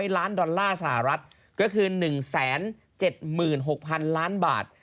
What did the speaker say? ล้านดอลลาร์สหรัฐก็คือ๑๗๖๐๐๐ล้านบาท